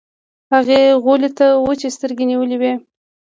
هغې غولي ته وچې سترګې نيولې وې.